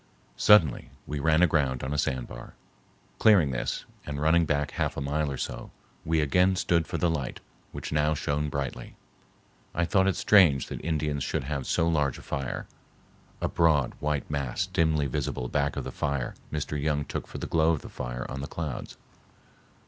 Suddenly, we ran aground on a sand bar. Clearing this, and running back half a mile or so, we again stood for the light, which now shone brightly. I thought it strange that Indians should have so large a fire. A broad white mass dimly visible back of the fire Mr. Young took for the glow of the fire on the clouds.